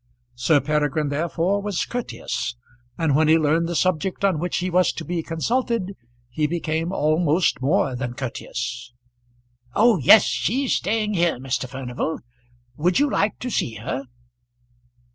Sir Peregrine therefore was courteous, and when he learned the subject on which he was to be consulted he became almost more than courteous. "Oh! yes; she's staying here, Mr. Furnival. Would you like to see her?"